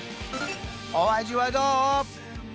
お味はどう？